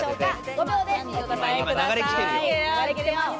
５秒でお答えください。